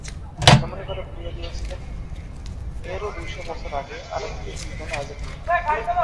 যেমনি করে ঘুরিয়ে দিয়েছিলেন এরও দুই শ বছর আগে আরেক ব্রিটিশ বিজ্ঞানী আইজ্যাক নিউটন।